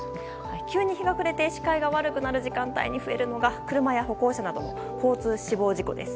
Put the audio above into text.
急に日が暮れて視界が悪くなる時間帯に増えるのが車や歩行者などの交通死亡事故です。